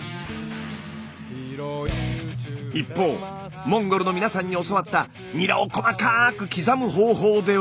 一方モンゴルの皆さんに教わったニラを細かく刻む方法では？